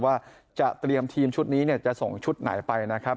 ว่าจะเตรียมทีมชุดนี้จะส่งชุดไหนไปนะครับ